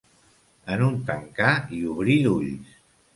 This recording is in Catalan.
En un tancar i obrir d'ulls.